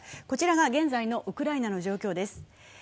こちらが現在のウクライナの状況です。